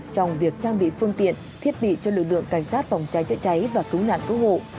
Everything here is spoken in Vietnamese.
trong việc trang bị phương tiện thiết bị cho lực lượng cảnh sát phòng cháy chữa cháy và cứu nạn cứu hộ